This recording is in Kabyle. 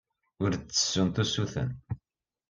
Ur d-ttessunt usuten.